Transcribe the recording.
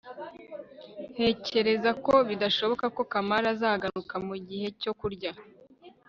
ntekereza ko bidashoboka ko kamali azagaruka mugihe cyo kurya